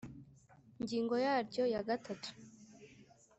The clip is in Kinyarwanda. ngingo yaryo ya gatatu